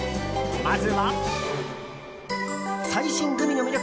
まずは、最新グミの魅力